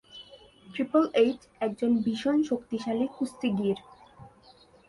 Triple H একজন ভীষণ শক্তিশালী কুস্তিগির।